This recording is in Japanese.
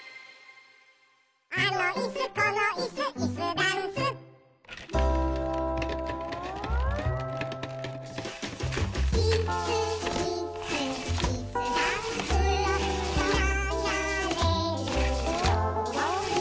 「あのイスこのイスイスダンス」「イスイスイスダンス」「ながれるように」